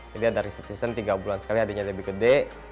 jadi ada research season tiga bulan sekali hadiahnya lebih gede